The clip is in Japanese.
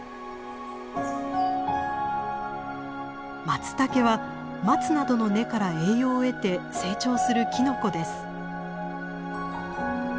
マツタケはマツなどの根から栄養を得て成長するキノコです。